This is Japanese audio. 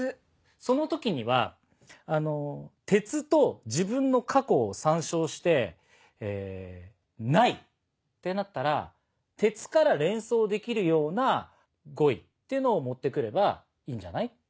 その時には鉄と自分の過去を参照してないってなったら鉄から連想できるような語彙っていうのを持って来ればいいんじゃない？